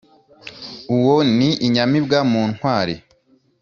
uwo ni inyamibwa mu ntwari